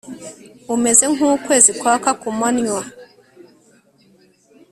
umeze nk'ukwezi kwaka kumanywa